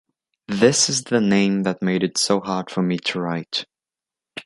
This is the name that made it so hard for me to write.